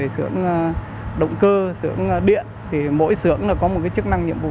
sưởng động cơ sưởng điện thì mỗi sưởng có một chức năng nhiệm vụ